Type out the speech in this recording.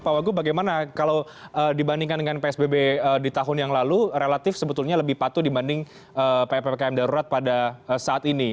pak wagu bagaimana kalau dibandingkan dengan psbb di tahun yang lalu relatif sebetulnya lebih patuh dibanding ppkm darurat pada saat ini